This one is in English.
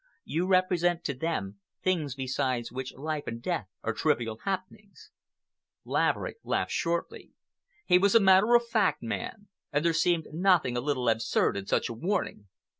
You represent to them things beside which life and death are trivial happenings." Laverick laughed shortly. He was a matter of fact man, and there seemed something a little absurd in such a warning.